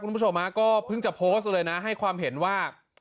คุณผู้ชมก็เพิ่งจะโพสต์เลยนะให้ความเห็นว่า